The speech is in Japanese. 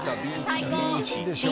最高！